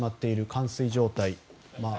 冠水状態。